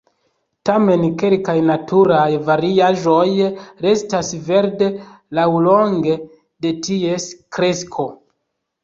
Tamen kelkaj naturaj variaĵoj restas verde laŭlonge de ties kresko.